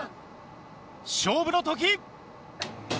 勝負の時！